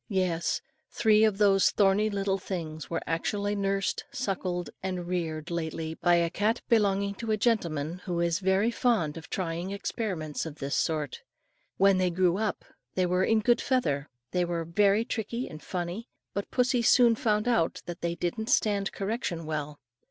Yes, three of those thorny little things were actually nursed, suckled, and reared lately by a cat belonging to a gentleman, who is very fond of trying experiments of this sort. When they grew up, and were in good feather, they were very tricky and funny; but pussy soon found out that they didn't stand correction well.